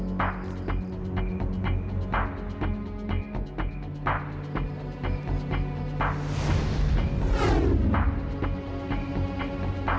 tadi kayak ada suara barang pecah